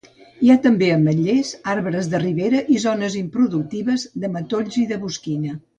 Hi ha també ametllers, arbres de ribera i zones improductives, de matolls i de bosquina.